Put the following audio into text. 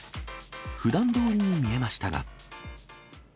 ふだんどおりに見えましたが。